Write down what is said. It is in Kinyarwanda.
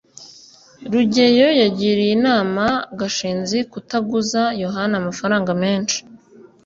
rugeyo yagiriye inama gashinzi kutaguza yohana amafaranga menshi